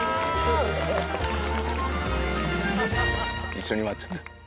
一緒に回っちゃった。